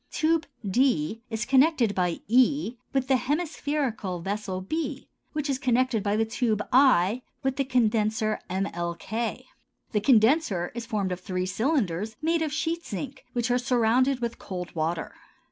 Tube d is connected by e with the hemispherical vessel b which is connected by the tube i with the condenser mlk. The condenser is formed of three cylinders made of sheet zinc which are surrounded with cold water.